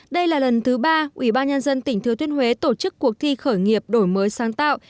đây là lần thứ ba ủy ban nhân dân tỉnh thừa thiên huế tổ chức cuộc thi khởi nghiệp đổi mới sáng tạo